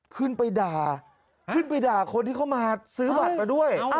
ขึ้นไปด่าขึ้นไปด่าคนที่เขามาซื้อบัตรมาด้วย